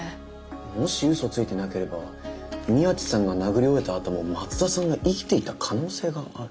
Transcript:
もしうそついてなければ宮地さんが殴り終えたあとも松田さんが生きていた可能性がある。